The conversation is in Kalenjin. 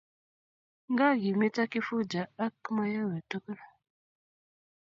nga kimito kifuja ak mayowe tugul